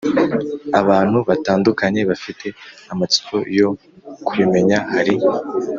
Abantu batandukanye bafite amatsiko yo kubimenya hari